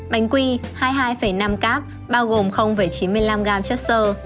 bánh quy hai mươi hai năm cáp bao gồm chín mươi năm gram chất sơ